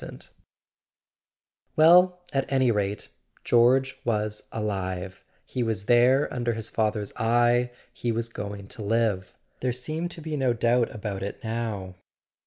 [ 401 ] A SON AT THE FRONT Well, at any rate, George was alive, he was there under his father's eye, he was going to live: there seemed to be no doubt about it now.